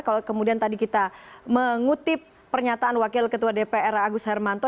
kalau kemudian tadi kita mengutip pernyataan wakil ketua dpr agus hermanto